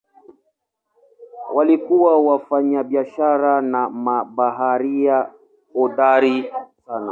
Walikuwa wafanyabiashara na mabaharia hodari sana.